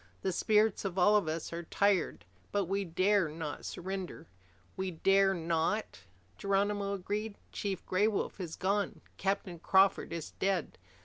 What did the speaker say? The spirits of all of us are tired, but we dare not surrender." "We dare not," Geronimo agreed. "Chief Gray Wolf is gone. Captain Crawford is dead.